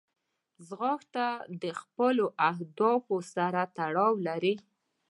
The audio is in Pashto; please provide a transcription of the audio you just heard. ځغاسته د خپلو اهدافو سره تړاو لري